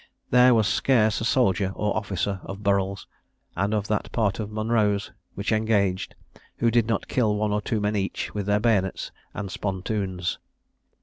There was scarce a soldier or officer of Burrel's, and of that part of Monro's which engaged, who did not kill one or two men each with their bayonets and spontoons.